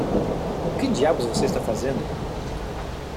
O que diabos você está fazendo?